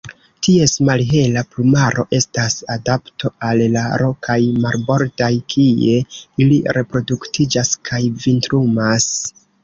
Ties malhela plumaro estas adapto al la rokaj marbordaj kie ili reproduktiĝas kaj vintrumas.